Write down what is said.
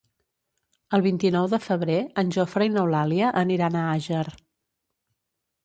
El vint-i-nou de febrer en Jofre i n'Eulàlia aniran a Àger.